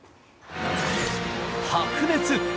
白熱！